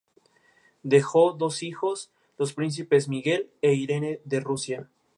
Dejó dos hijos, los príncipes Miguel e Irene de Rusia.